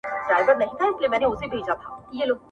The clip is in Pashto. د مخ پر مځکه يې ډنډ ،ډنډ اوبه ولاړي راته_